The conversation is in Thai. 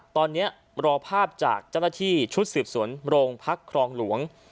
ตอนนี้รอภาพจากเจ้าหน้าที่ชุดสืบสวนโรงพักครองหลวง